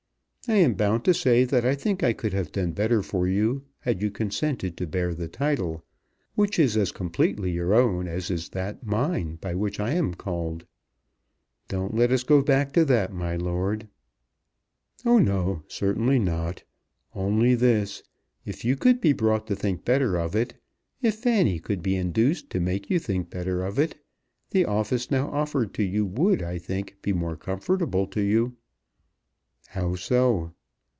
"I am bound to say that I think I could have done better for you had you consented to bear the title, which is as completely your own, as is that mine by which I am called." "Don't let us go back to that, my lord." "Oh no; certainly not. Only this; if you could be brought to think better of it, if Fanny could be induced to make you think better of it, the office now offered to you would, I think, be more comfortable to you." "How so?"